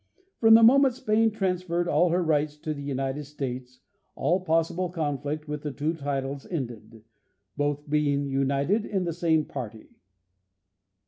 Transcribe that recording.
From the moment Spain transferred all her rights to the United States all possible conflict between the two titles ended, both being united in the same party.